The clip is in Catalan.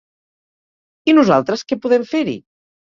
I nosaltres, què podem fer-hi?